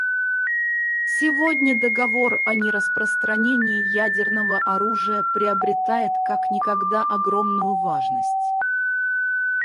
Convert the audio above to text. Сегодня Договор о нераспространении ядерного оружия приобретает как никогда огромную важность.